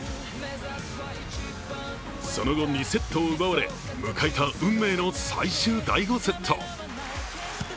その後、２セットを奪われ迎えた運命の最終第５セット。